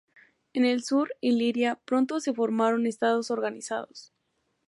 En el sur Iliria pronto se formaron estados organizados.